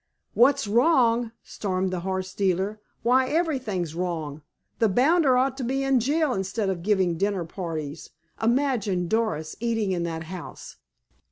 "What's wrong?" stormed the horse dealer. "Why, everything's wrong! The bounder ought to be in jail instead of giving dinner parties. Imagine Doris eating in that house!"